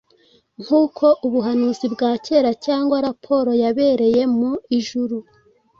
nk'uko Ubuhanuzi bwa kera cyangwa raporo yabereye mu Ijuru;